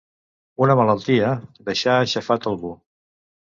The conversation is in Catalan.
Una malaltia, deixar aixafat algú.